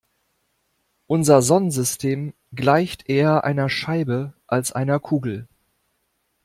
Unser Sonnensystem gleicht eher einer Scheibe als einer Kugel.